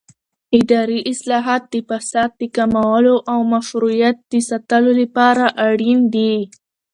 اداري اصلاحات د فساد د کمولو او مشروعیت د ساتلو لپاره اړین دي